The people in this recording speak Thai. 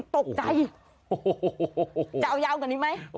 ตกใจจะเอายาวกว่านี้ไหม